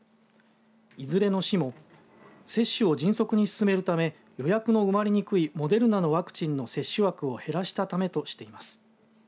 いずれの市も接種を迅速に進めるため予約の埋まりにくいモデルナのワクチンの接種枠を減らしたためとしています。